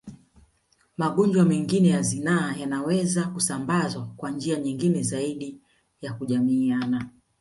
Magonjwa mengine ya zinaa yanaweza kusambazwa kwa njia nyingine zaidi ya kujamiiana